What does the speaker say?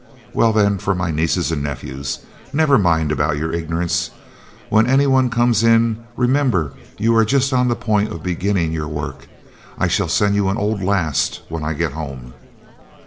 "Well, then, for my nieces and nephews. Never mind about your ignorance. When any one comes in, remember you are just on the point of beginning your work. I shall send you an old last when I get home."